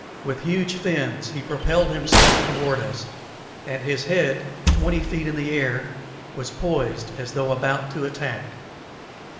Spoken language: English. With huge fins he propelled himself toward us; and his head, twenty feet in the air, was poised as though about to attack.